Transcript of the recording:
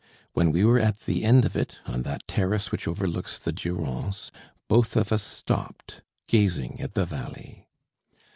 When we were at the end of it, on that terrace which overlooks the Durance, both of us stopped, gazing at the valley.